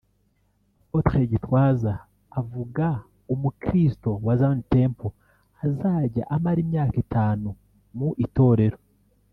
Apotre Gitwaza avuga umukristo wa Zion Temple azajya amara imyaka itanu mu itorero